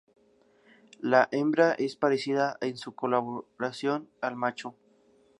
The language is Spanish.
La hembra es parecida en su coloración al macho.